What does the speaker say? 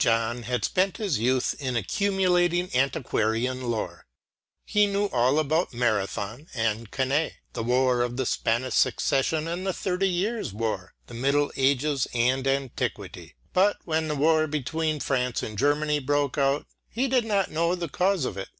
John had spent his youth in accumulating antiquarian lore. He knew all about Marathon and Cannae, the war of the Spanish succession and the Thirty Years' War, the Middle Ages and antiquity; but when the war between France and Germany broke out, he did not know the cause of it.